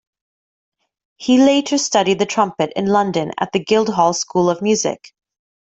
He later studied the trumpet in London at the Guildhall School of Music.